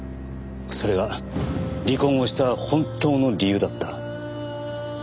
それが離婚をした本当の理由だった。